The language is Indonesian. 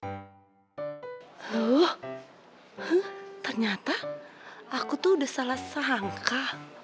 oh ternyata aku tuh udah salah sangka